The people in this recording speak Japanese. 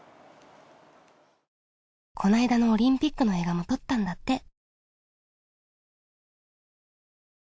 この間のオリンピックの映画も撮ったんだって。